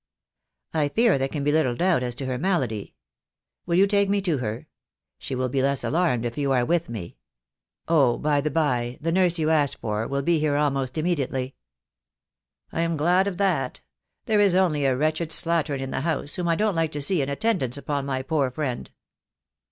"I fear there can be little doubt as to her malady. Will you take me to her? She will be less alarmed if you are with me. Oh, by the bye, the nurse you asked for will be here almost immediately." "I am glad of that. There is only a wretched slattern in the house, whom I don't like to see in attendance upon my poor friend."